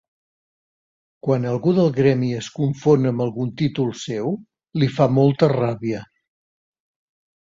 Quan algú del gremi es confon amb algun títol seu li fa molta ràbia.